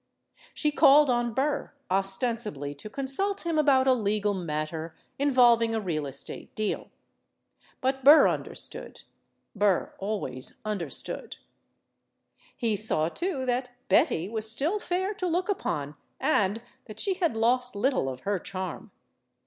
She called on Burr, ostensibly to consult him about a legal matter involving MADAME JUMEL 107 a real estate deal. But Burr understood. Burr al ways understood. He saw, too, that Betty was still fair to look upon and that she had lost little of her charm.